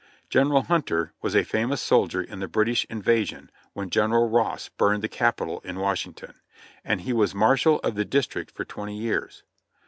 General Hunter was a famous soldier in the British invasion when General Ross burned the Capitol in Washington ; and he was Marshal of the District for twenty years.